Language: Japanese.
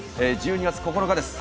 １２月９日です